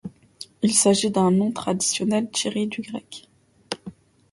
Il s'agit d'un nom traditionnel tiré du grec.